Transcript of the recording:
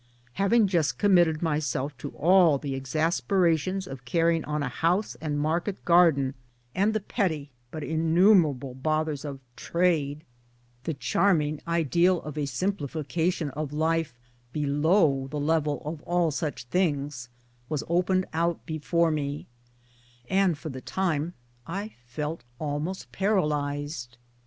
Having just committed myself to all the exasperations of carrying on a house and market garden and the petty but innumerable bothers of ' trade/ the charm n6 MY DAYS AND DREAMS ing ideal of a simplification of life below the level of all such things was opened out before me and for the time I felt almost paralyzed.